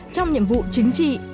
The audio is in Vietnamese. trong nhiệm vụ chính trị